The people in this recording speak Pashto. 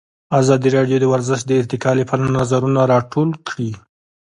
ازادي راډیو د ورزش د ارتقا لپاره نظرونه راټول کړي.